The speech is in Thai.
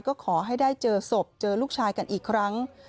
ก็ขอให้ได้เจอศพเจอลูกชายกันอีกครั้ง